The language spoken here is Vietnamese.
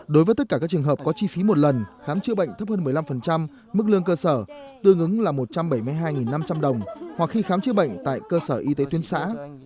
đối với tất cả các trường hợp có chi phí một lần khám chữa bệnh thấp hơn một mươi năm mức lương cơ sở tương ứng là một trăm bảy mươi hai năm trăm linh đồng hoặc khi khám chữa bệnh tại cơ sở y tế tuyến xã